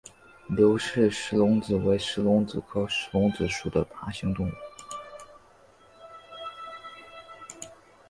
刘氏石龙子为石龙子科石龙子属的爬行动物。